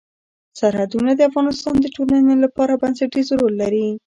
سرحدونه د افغانستان د ټولنې لپاره بنسټيز رول لري.